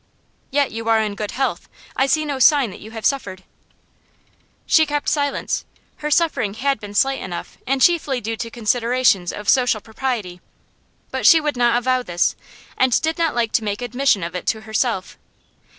'Yet you are in good health. I see no sign that you have suffered.' She kept silence. Her suffering had been slight enough, and chiefly due to considerations of social propriety; but she would not avow this, and did not like to make admission of it to herself.